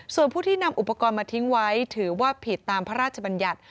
ส่วนผู้ที่นำอุปกรณ์มาทิ้งไว้ถือว่าผิดตามพระราชบัญญัติ